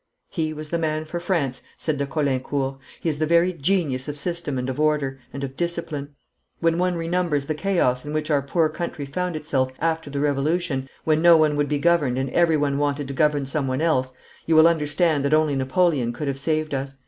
'He was the man for France,' said de Caulaincourt. 'He is the very genius of system and of order, and of discipline. When one remembers the chaos in which our poor country found itself after the Revolution, when no one would be governed and everyone wanted to govern someone else, you will understand that only Napoleon could have saved us.